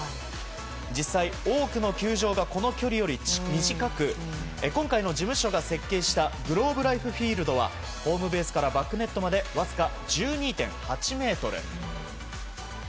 実際、多くの球場がこの距離より短く今回の事務所が設計したグローブライブフィールドはホームベースからバックネットまでわずか１２．８ｍ。